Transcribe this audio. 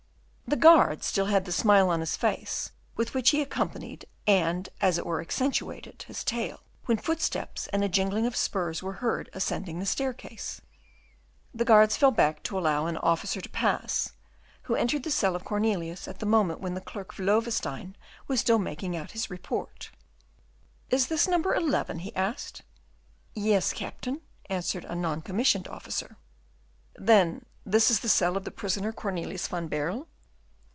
The guard still had the smile on his face with which he accompanied and as it were accentuated his tale, when footsteps and a jingling of spurs were heard ascending the stair case. The guards fell back to allow an officer to pass, who entered the cell of Cornelius at the moment when the clerk of Loewestein was still making out his report. "Is this No. 11?" he asked. "Yes, Captain," answered a non commissioned officer. "Then this is the cell of the prisoner Cornelius van Baerle?"